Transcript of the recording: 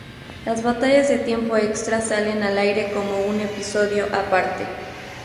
Las batallas de tiempo extra salen al aire como un episodio aparte.